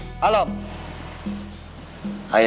bagaimana bisa ayah memiliki bambu yang baiknya